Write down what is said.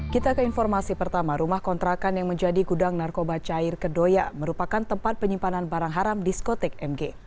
kita ke informasi pertama rumah kontrakan yang menjadi gudang narkoba cair kedoya merupakan tempat penyimpanan barang haram diskotik mg